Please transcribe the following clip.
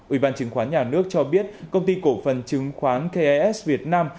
ủy ban chứng khoán nhà nước cho biết công ty cổ phần chứng khoán kes việt nam